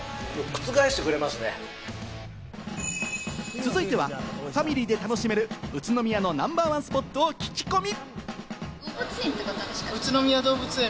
続いてはファミリーで楽しめる宇都宮のナンバーワンスポットを聞き込み。